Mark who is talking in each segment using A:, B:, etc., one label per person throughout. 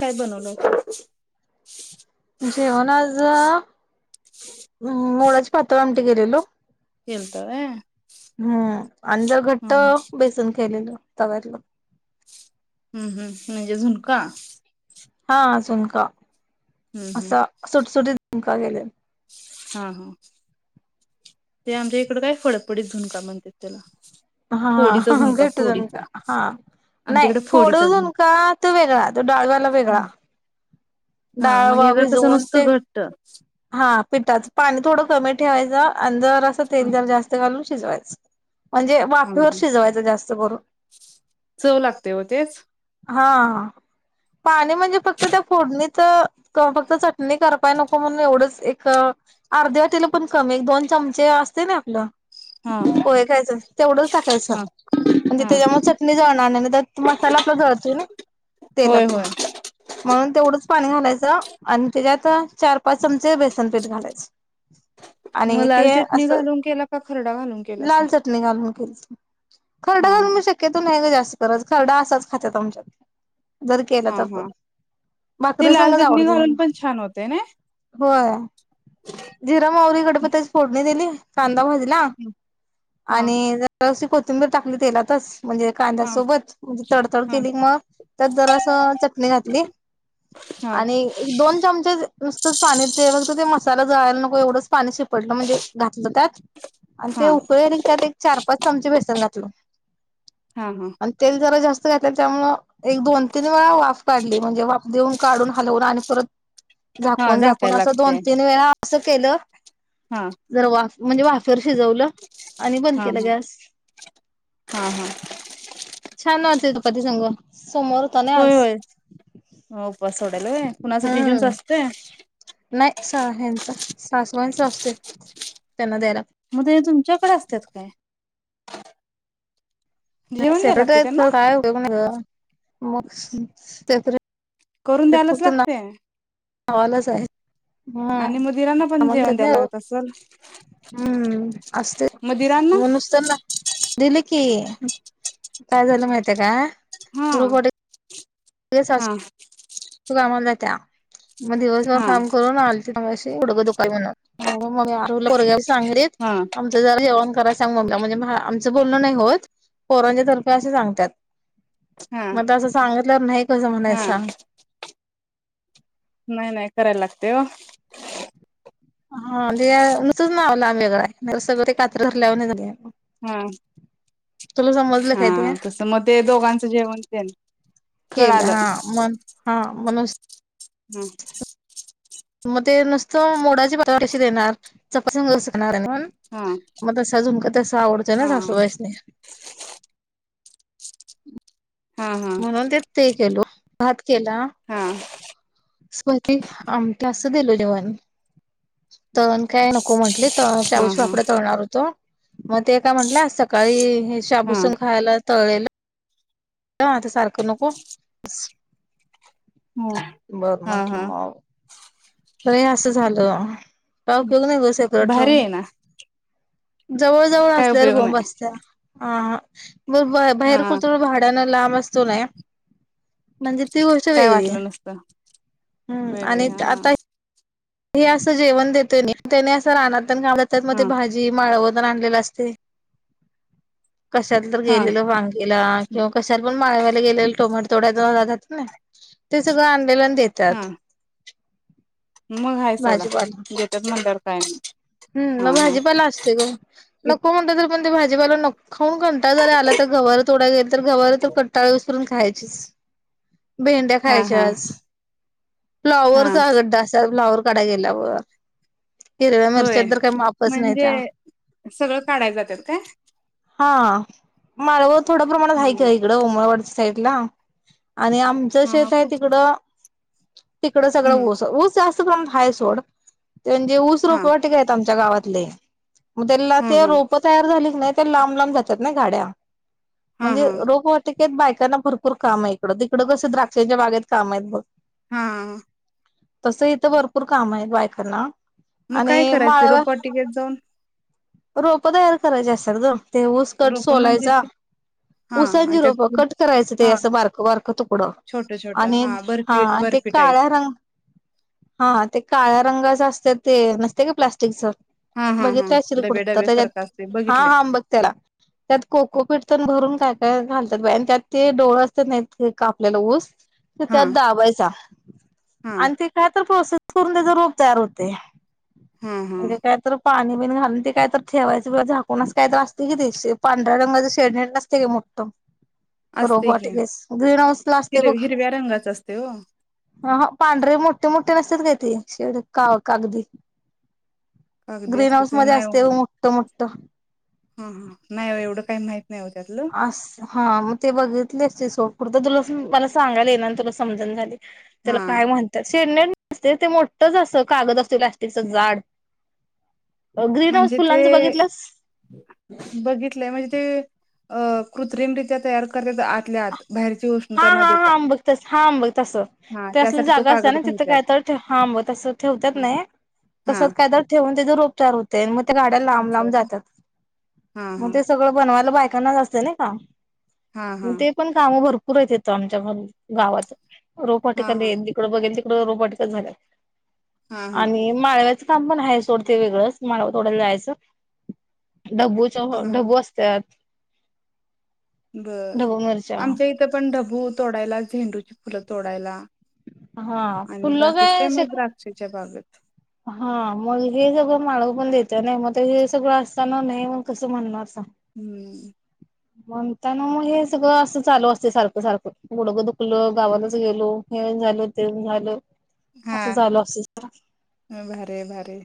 A: काय बनवलं?
B: जेवण आज मोळााची पातळ आमटी केलेलो.
A: केलत व्हय हा
B: हम्म आणि जर घट्ट
A: हा
B: बेसन केलेलो. तव्यातल
A: हम्म हम्म म्हणजे झुणका
B: हा अजून का
A: हम्म हम्म
B: असं सुटसुटीत झुणका केला
A: हा हा ते आमच्या इकड काय फडफडीत झुण का म्हणत्यात त्याला
B: हा
A: फोडीचा
B: ह
A: झुणका
B: घटतंत
A: फोडीचा
B: हा नाही
A: आमच्याकडे फोडीचा
B: फोडून
A: झुणका
B: का तो वेगळा तो डाळव्याला वेगळा
A: हा मग
B: डाळवा
A: हेजा कसं
B: भिजवून
A: नुसतं
B: ते
A: घट्ट
B: हा पिठाचं पाणी थोडं कमी ठेवाय आण जरासं तेल जर जास्त घालून शिजवायच म्हणजे वाफेवर
A: हम्म
B: शिजवायच जास्त जबर
A: चव लागते हो तेच.
B: हा पाणी म्हणजे फक्त त्या फोडणीच फक्त चट नाही कर पाय नको म्हणून एवढंच एक एक अर्धे वाटीला पण कमी दोन चमचे असते ना आपलं
A: हा
B: होय कायच टाकायचं
A: हा
B: म्हणजे
A: हा
B: त्याच्या चट जळणार नाही मसाला आपला जळतोय नाई
A: होय
B: तेलातलं
A: होय
B: म्हणून तेवढंच पाणी घालायचं आणि त्याच्यात चार पाच चमचे बेसन पीठ घालायचं.
A: मग
B: आणि
A: लाल
B: ते
A: चटणी
B: असं
A: घालून केला का खरडा घालून केलासा
B: लाल चटणी घालून खरड
A: हा हा
B: घा शक्य तो नाही का जास्त करत खरडा असाच खाते आमच्यात. जर केलं
A: हा
B: तर पण
A: हा ते लाल
B: भाकरीसंगच
A: चटणी
B: आवडत
A: घालून पण
B: त्यांना.
A: छान होते ना
B: होय जिरा मावररी गडपतीची फोडणी दिली कांदा भाजला
A: हा
B: आणि जशी कोथिंबीर टाकली तेलातच म्हणजे
A: हा
B: कांद्यासोबत म्हणजे तडतड
A: हा
B: केली मग तर जरास चटणी घातली
A: हा
B: आणि एक दोन चमचे नुसतच पाणी त ते मसाला ला नको एवढच पाणी शिपडलं म्हणजे घातलं त्यात आणि
A: हा
B: तेक त्यात चार पाच चमचे बेसन घातलं
A: हा हा
B: आणि तेल जरा जास्त घातलं त्यामु एक दोन तीन वेळा वाफ काढली म्हणजे वाफ देऊन काढून हलवून आणि परत
A: हा
B: झाकून झाकून
A: झाकायला
B: अस दोन
A: लागते
B: तीन वेळा असं केलं
A: हा
B: जर वा म्हणजे वाफेवर शिजवलं आणि
A: हा हा
B: अस
A: हा हा
B: छान चपाती संघ सोमवार होता ना आज.
A: ल कुणाचं जिजूनचा
B: हम्म.
A: असतोय?
B: नाही स ह्यांचा सासवईंच असते त्यांना द्यायला
A: मग ते तुमच्याकडे असतात काय?
B: नाही
A: जेवण द्याय
B: सेपरेट
A: लागते
B: आहेत
A: त्यांना
B: खर काय उपयोग नाही ग मग सेपरेट
A: करून द्यायलाच लागतय.
B: ह लाच आहे [inaudible]
A: आणि
B: हम्म.
A: म दिरांना पण
B: आम्हाला
A: जेवण
B: देत नाही
A: द्यायला
B: ओ
A: लागत असल?
B: हम्म असते
A: मुदिरांना
B: म्हणुन नुसते दिले की काय झालं माहती काय?
A: हा हा.
B: सासू कामाला मग दिवसभर
A: हा
B: काम करून आलत्या मगाशी गुडघ दुकाल्यात म्हणून पोरग्याला सांगितलं
A: हा
B: आमच जरा जेवण कराय. सांगू म्हणजे आमचं बोलण नाही होत पोरांच्या तर्फे असे सांगतात. मग असं सांगितल्यावर नाही कसं म्हणाय
A: हा
B: सांग.
A: नाही नाही करायला लागते हो.
B: हा ते नुसंच नाव लांब वेगळां आहे सगळं ते कात्री रल्या झा
A: हा
B: समजलं
A: हा
B: काय ते
A: तस मग ते दोघांचं जेवण ते न
B: केलं हा म हा म
A: हम्म.
B: मग ते नुसतं मोडाचे पातळ कशी देणार चपातीसंग कस खाणार
A: हा
B: मग तस झुणका तस आवडतंय ना
A: हा
B: सासूबाईंनी
A: [inaudible] हा
B: म्हणून ते ते केलो भात केला.
A: हा
B: स्ती आमख अ [inaudible] सं दिलो जेवण तळण काय नको म्हंटले
A: हा
B: शाबूचे पापड्या तळणार होतो मग ते काय म्हटलं सकाळी
A: हा
B: शाबूसंग खायला तळेल आता सारखं नको
A: हम.
B: बरं म्हटलं मग तर असं झालं. काय वेगळं
A: भारी
B: सेप्रेटराहुन
A: आहे ना
B: जवळ जवळ
A: काय
B: असल्यावर
A: उपयोग
B: बोंब
A: नाही
B: असतीया अ बा बाहेर
A: हा
B: कुठत भाड्याना लांब असतो नाही म्हणजे ती गोष्ट
A: काय
B: वेगळी
A: वाटलं नसतं
B: आहे्
A: वेगळे
B: आणि
A: हा
B: आता हे असं जेवण देते त्याने असं रानातन कामतात मग
A: हा
B: ते भाजी माळव आणलेलं असते. कशाला तर
A: हा
B: गेलेलं वांगेला किंवा कशाला पण माळवा्याला गेले टोमॅटो तोड्यात जात ना ते सगळं आणलेला देतात.
A: हा मग हाय सोडा देतात म्हणल्यावर काय नाही.
B: हम् न भाजीपाला असती ग न को म्हणत त म्हणते भाजीपाला नको खाऊन कंटाळा जरी आला तर गवार तोडाय गेल तर गवार तर कंटाळ करून खायचीच. भेंड्या
A: हा हा हा हा
B: खायच्याज
A: हा
B: फ्लाॉवरचा गडडा असा फ्लॉवर काडाय गेल्यावर हिरव्या
A: होय
B: मिरच्यात तरर काही मापच नाही
A: म्हणजे
B: त्या
A: सगळं काढाय जातात काय
B: हा माळव व थोड्या प्रमाणात आहेक
A: हा
B: इकडं उमरवाडच्या साईडला आणि आमचं
A: हा हा
B: शेत आहे
A: कुठ
B: तिकडं तिकडं सगळं
A: हम्म
B: ऊस ऊस जास्त प्रमाण हाय सोड ते म्हणजे ऊस
A: हा
B: रोपवाटीका आहेत आमच्या गावात. मग त्याला
A: हा
B: ते
A: हा
B: रोप तयार झाली नाही लांब लांब जातात ना गाड्या
A: हा
B: म्हणजे
A: हा
B: रोपट बायकांना भरपूर काम आहे इकडं तिकडं कसं द्राक्षांच्या बागेत काम आहेत ब
A: हा
B: तस इथं भरपूर काम आहे बायकांना
A: मग काय
B: आणि
A: करायचं रोपा
B: माळावर
A: टिकट जाऊन
B: रोपं तयार करायचे असेल तर ते ऊस कट
A: रोप म्हणजे
B: सोलायचा
A: ते हा आणि
B: उसंजिरोोप
A: त्यात
B: कट करायचं ते
A: हा
B: असं बारकं बारक तुकडं
A: छोट छोट
B: आणि हा
A: बर्फी
B: ते
A: बर्फी टाईप
B: काळाा रंग हा ते काळ्या रंगाच असत ते नसते का प्लास्टिकच
A: हा हा हा
B: बघितलं असशील
A: डबे
B: कुर्त
A: डबे सारखं
B: त्याच्यात
A: असते
B: हा
A: बघितले
B: हां बघ त्याला त्यात कोकोपीट पण भरून काय घालतात आणि त्यात ते डोळ असत नाही का आपल्याला ऊस ते
A: हा
B: त्याच दावायचा
A: हा
B: आणि ते काय प्रून त्यापचार होते
A: हा हा
B: म्हणजे काय पाणी बिन घालून ते काय तर ठेवायचंिवा झाकूनच काय असते कि ते पांढऱ्या रंगाच शेडणी असते का मोठं
A: असते की
B: रोबटस ग्रीन हाऊस ला असते
A: हिर
B: बघ
A: हिरव्या रंगाच असते हो
B: ह पांढरे मोठे मोठे नसतात काय ते शेवट का कागदी
A: कागदी
B: ग्रीन
A: असते
B: हाऊस
A: ते
B: मध्ये
A: नाही ओ
B: असते मोठठ मोठठ
A: हा हा नाही एवढं काही माहिती
B: अस हा मग ते बघितलेच ते सोडपुरत तुला मला सांगायला ये ना तुला समजण झाली
A: हा
B: त्याला काय म्हणतात शे नते ते मोठच अस कागद असते प्लास्टिकच जाड ग्रीन हाऊस
A: म्हणजे
B: फुलांचं
A: ते
B: बघितलंस
A: बघितलंय म्हणजे ते कृत्रिम रच्या्या तयार करत बाहेरची
B: हा
A: उष्णता न
B: हा
A: देता
B: हा अंबगतास हा अंबगतास
A: हा त्यासाठी तो कागद घालत
B: हां मग तस ठेवतच नाही
A: हा
B: तसच कायद ठेवून त्या रोपचार होते मग गाड्या लांब
A: असं
B: लांब
A: आहे ना
B: जातात मग
A: हा
B: ते सगळं बनवायला पाहि कनाला असते ना का
A: हा
B: ग
A: हा
B: ते पण गावं भरपूर आहेत येत आमच्या गावात रो
A: हा हा
B: वाटिकली तिकड बघेल रोबोटिकच झाल्या
A: हा हा हा
B: आणि माळव्याच पण आहे सोडते वेगळंच मला ोड्याला जायचं डबू
A: हा हा
B: डबू असतात
A: बर
B: ढबू मिरच्या
A: आमच्या इथं पण ढबू तोडायला झेंडूची फुलं तोडायला
B: हा
A: आणि
B: फुलं
A: बाकीच काही
B: काय
A: म
B: शे
A: द्राक्षच्या बागात
B: हा मल हेी सगळं माळ पण देत नाही मग ते सगळं असताना नाही मग कसं म्हणणार
A: हम्म
B: म्हणता ना मग हे सगळं असं चालू असते सारखं सारखं बुडगं दुखल गावातच गेलो झाल तेन झाल
A: हा
B: असं झालं असंर
A: भारी भारी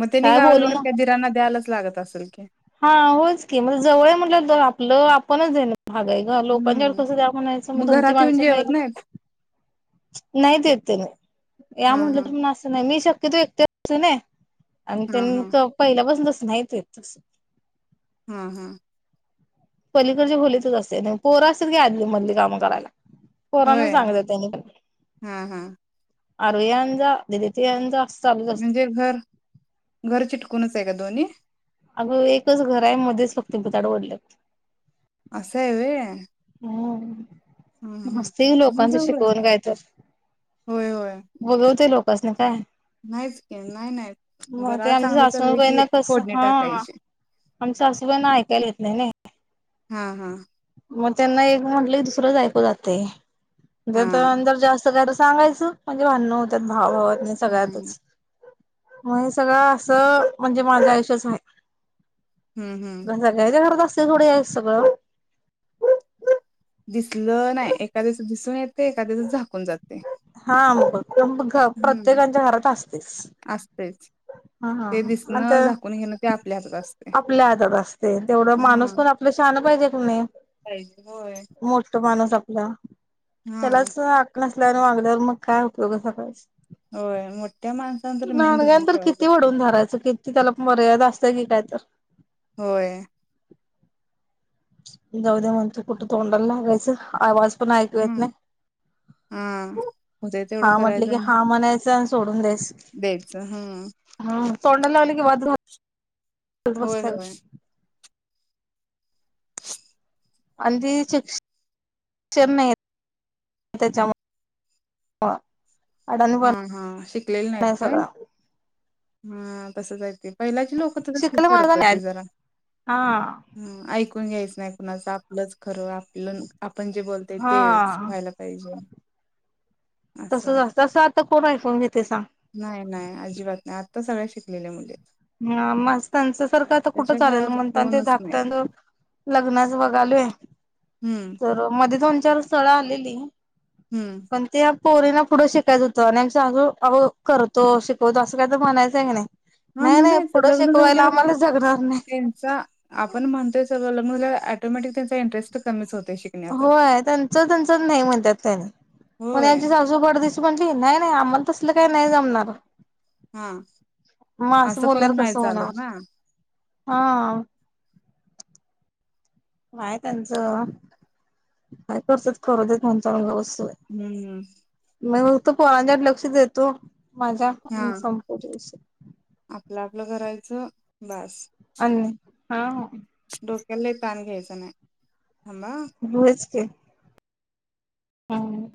A: मग त्यानी गावायला
B: बोलू
A: गेलं तर
B: ना
A: कायधिरांना द्यायलाच लागत असेल की
B: हा होच की म जवळ म्हटलं आपलं आपणच आहे ना भागा आहे ग लोकांच्या अ
A: हम्म
B: कसं द्या म्हणायचं मग तुमची
A: घरात येऊन
B: माणसं
A: जेवत
B: महिल
A: नाहीत?
B: नाहीतेत नाही या
A: हा
B: म्हटलं
A: हा
B: तर म असं नाही मी शत तू एकत अस ना आणि
A: हा हा
B: त्यां पहिल्यापासून तस नाही तू तस
A: हम हम्
B: पलीकडच्या भोलीतच असते पोरं असतील काी आदली मधली काम करायला कोोरना
A: होय
B: सांगत त्यांनी प
A: हा हा
B: अरया जा ददीित यांं जा चालूच
A: म्हणजे
B: असते
A: घर घर चिटकूनच आहे का दोन्ही
B: अगं एकच घरा आहे मध्येच फक्त भुताड ओढलेत.
A: असाय एवे
B: मस्त
A: मग
B: लोकांच
A: जवळच
B: शिकवण काय तर-
A: होय होय
B: बघवतेय लोकासनी काय?
A: नाहीच की नाही नाही
B: मग ते
A: जरा चांगलं
B: आमच्या
A: चाललंय की
B: सासूबाईंना कसं
A: फोडणी
B: हा
A: टाकायची.
B: आमच्या सासूबाईना ऐकायला येत नाही नाई.
A: हम् हम्..
B: मग त्यांना एक म्हटलं की दुसरंच ऐकू जातय त्या
A: हा
B: तर अंतर जास्त काय तर सांगायचं. म्हणजे भांडण होत्यात भावा भावानी
A: हम्म
B: सगळ्यातच मग हे सगळं असं म्हणजे माझ्या आयुष्याचं नाई
A: हम्म हम्म
B: सगळ्याच्या घरात असतय सोडा हे सगळं
A: दिसलं नाही एखाद्याच दिसून येते एखाद्याच झाकून जातय.
B: हा अंब प्रत्येकच्या घरात असतेस.
A: असतेच
B: हा, हा
A: ते
B: आमच
A: दिसणं झाकून घेणं ते आपल्या हातात असते
B: आपल्या हातात असते तेवढ माणूस
A: हम्म
B: पण आपल्या. न‌ पाहिजेत
A: पाहिजे. होय!
B: आपलं
A: हा
B: त्यालाच अक्कल नसल्याने वागल्यावर मग काय उपयोग सकाळ-
A: होय मोठ्या माणसान तर मेन
B: लहानग्या
A: धरून
B: तर
A: ठेवायचं
B: किती
A: असते
B: वडून धरायचं किती त्याला मर्यादा असत सगी काय तर.
A: होय!
B: जाऊ द्या म्हणतो, कुठं तोंडाला लागायचं? आवाज पण ऐकू
A: हम्म.
B: नाही.
A: हा होते तेवढं
B: हा म्हटल
A: करायचं
B: की
A: आणि
B: हा म्हणायचं अन सोडून द्यायचं.
A: द्यायचं हम्म
B: तोंडाला लागलं की वाद रा द
A: होय
B: बस्थल
A: होय
B: अध शिक शिकष नाही त्याच्या ह
A: हा, हा! शिकलेले नाहीत काय?
B: सगळा
A: हा, तसंच अहेते पहिल्याची लोक तसंच की
B: शिकल माणसाने
A: सरकटी जरा.
B: हा
A: ऐक घ्यायचं नाही कुणाच आपलंच खरं. आपलं आपण जे बोलतय, तेच
B: हा
A: व्हायला पाहिजे असं
B: तर कोण ऐकून घेतय सांग?
A: नाही, नाही! अजिबात नाही. आत्ता सगळ्या शिकलेल्या मुली- आहेत.
B: ह म त्यांच सारखं आता कुठं
A: त्याच्या
B: चालेल
A: काळात
B: म्हणता आणि
A: फोनच नाहीत
B: ते [unintelligible] लग्नास वघालोय
A: हम्म
B: तर मध्येतन चार स्थळं आलेली
A: हम्म
B: पण ते पोरीना पुढं शिकायच होतं आणि आहो करतो शिकवतो असं काही तर म्हणायचं की नाही?
A: हा,
B: नाही नाही
A: म्हणायचं
B: पुढं
A: लग्न
B: शिकवायला
A: झाल्यावर
B: आम्हाला जगणार नाही
A: त्यांचा, आपण म्हणतोय सगळ ल मुलं ऑटोमॅटिक त्यांचा इंटरेस्ट कमीच होतो.
B: होय त्यांच त्यांच नाही म्हणतात त्यांनी पण
A: होय
B: आमची सासू पट दिशी म्हटली नाही नाही आम्हाला तसलं काही नाही जमणार.
A: हा
B: मग असं बोल्यावर
A: करून नाही
B: कसं होणार?
A: चालत ना
B: हा.. काय त्यांचं? काय करतत करू देत म्हणचालऊस
A: हम्मम
B: तो पोरांच्या लक्ष देतो. माझ्या
A: हा
B: आणि संपूर् विष
A: च बास..
B: हा ह
A: डोक्याला लई ताण घ्यायचा नाही. थांबा हा
B: होयचं की. हम ह